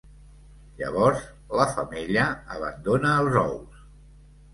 Llavors, la femella abandona els ous.